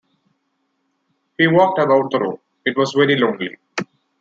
He walked about the room — it was very lonely.